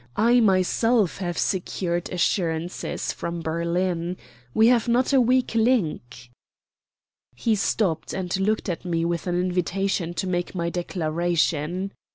I myself have secured assurances from Berlin. We have not a weak link." He stopped, and looked at me with an invitation to make my declaration.